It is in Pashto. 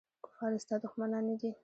کفار ستا دښمنان نه دي.